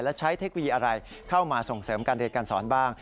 และใช้เทคโนโลยีอะไรเข้ามาส่งเสริมการเรียนการสอนบ้าง